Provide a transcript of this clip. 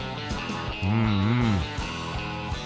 うんうん。